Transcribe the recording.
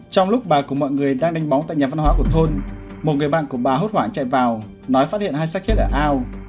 trong lúc bà cùng mọi người đang đánh bóng tại nhà văn hóa của thôn một người bạn của bà hốt hoảng chạy vào nói phát hiện hai sát hết ở ao